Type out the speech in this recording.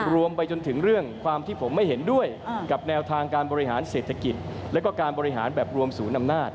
ไปจนถึงเรื่องความที่ผมไม่เห็นด้วยกับแนวทางการบริหารเศรษฐกิจและการบริหารแบบรวมศูนย์อำนาจ